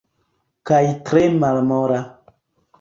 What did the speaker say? Kaj tre malmola.